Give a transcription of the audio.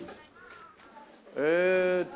えっと